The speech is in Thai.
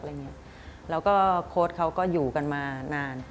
แล้วก็โค้ดเขาก็อยู่กันมานาน